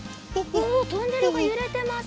おおトンネルがゆれてます。